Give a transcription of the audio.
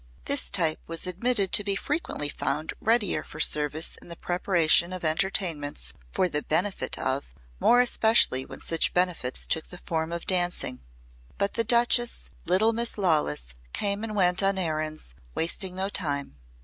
This type was admitted to be frequently found readier for service in the preparation of entertainments "for the benefit of" more especially when such benefits took the form of dancing. But the Duchess' little Miss Lawless came and went on errands, wasting no time.